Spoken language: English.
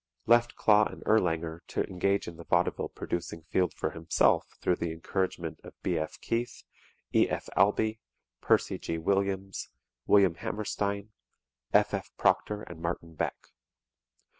Left Klaw and Erlanger to engage in the vaudeville producing field for himself through the encouragement of B.F. Keith, E.F. Albee, Percy G. Williams, William Hammerstein, F.F. Proctor and Martin Beck.